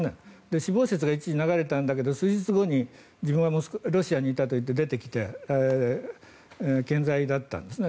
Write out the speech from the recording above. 死亡説が一時、流れたんだけど数日後に自分はロシアにいたと言って出てきて健在だったんですね。